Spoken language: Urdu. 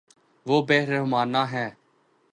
وہ بے رحمانہ ہے